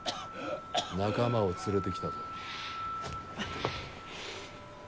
仲間を連れてきたぞ。